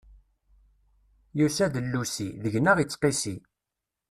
Yusa d llusi, deg-neɣ ittqissi.